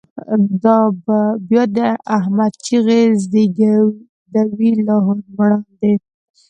دا به بیا د« احمد» چیغی، ریږدوی د لاهور مړاندی